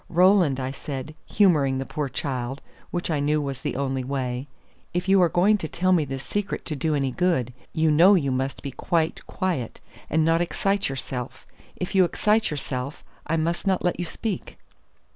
"Roland," I said, humoring the poor child, which I knew was the only way, "if you are going to tell me this secret to do any good, you know you must be quite quiet, and not excite yourself. If you excite yourself, I must not let you speak."